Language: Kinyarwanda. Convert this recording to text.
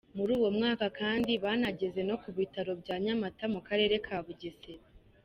Muri uwo mwaka kandi banageze no ku Bitaro bya Nyamata mu Karere ka Bugesera.